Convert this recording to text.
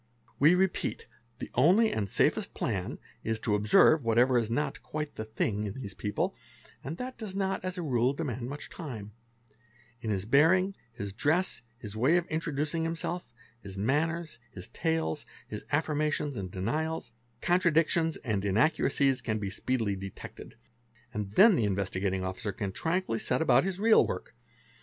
We repeat, the only and safest : plan is to observe whatever is not "quite the thing" in these people, and _ that does not as a rule demand much time; in his bearing, his dress, his : way of introducing himself, his manners, his tales, his affirmations and i denials, contradictions and inaccuracies can be speedily detected, and then the Investigating Officer can tranquilly set about his real work.